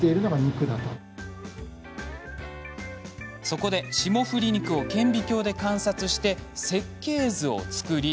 そこで、霜降り肉を顕微鏡で観察して設計図を作り